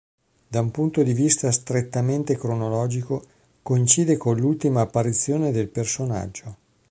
Da un punto di vista strettamente cronologico, coincide con l'ultima apparizione del personaggio.